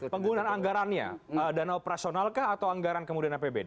penggunaan anggarannya dana operasionalkah atau anggaran kemudian apbd